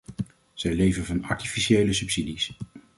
Zij leven van artificiële subsidies.